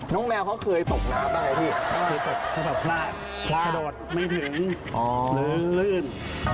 น้องแมวเคยตกน้ำหรือเปล่าพี่เคยเปลื้อพาตไม่ถึงลื่น